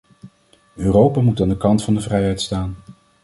Europa moet aan de kant van de vrijheid staan.